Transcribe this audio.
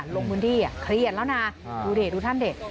ลงบุญที่เครียดแล้วนะดูเด็ดดูท่านเด็ด